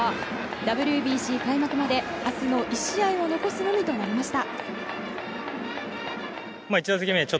ＷＢＣ開幕まで明日の１試合を残すのみとなりました。